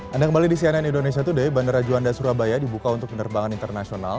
anda kembali di cnn indonesia today bandara juanda surabaya dibuka untuk penerbangan internasional